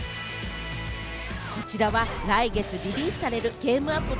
こちらは来月リリースされるゲームアプリ